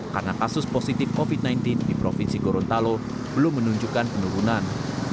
karena kasus positif covid sembilan belas di provinsi gorontalo belum menunjukkan penurunan